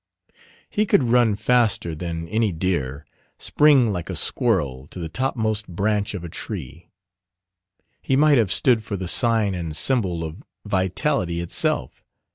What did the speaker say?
He could run faster than any deer: spring like a squirrel to the topmost branch of a tree: he might have stood for the sign and symbol of vitality itself.